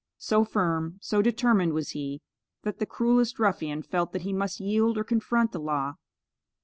So firm, so determined was he, that the cruellest ruffian felt that he must yield or confront the law.